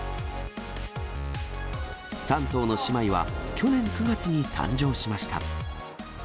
３頭の姉妹は、去年９月に誕生しました。